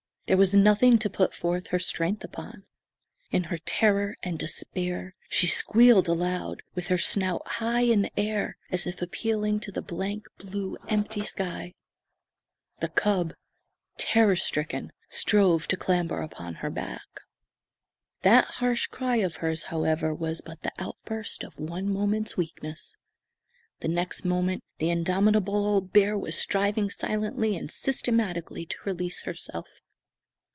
There was nothing to put forth her strength upon. In her terror and despair she squealed aloud, with her snout high in air as if appealing to the blank, blue, empty sky. The cub, terror stricken, strove to clamber upon her back. That harsh cry of hers, however, was but the outburst of one moment's weakness. The next moment the indomitable old bear was striving silently and systematically to release herself.